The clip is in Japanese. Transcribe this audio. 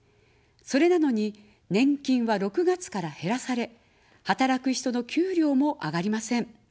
それなのに、年金は６月から減らされ、働く人の給料も上がりません。